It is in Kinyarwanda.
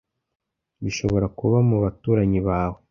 Bishobora kuba mu baturanyi bawe